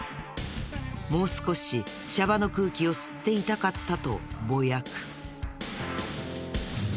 もう少しシャバの空気を吸っていたかったとぼやく。